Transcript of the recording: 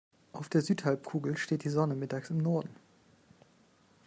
Auf der Südhalbkugel steht die Sonne mittags im Norden.